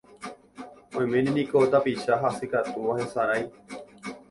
Oiméne niko tapicha hasykatúva hesarái.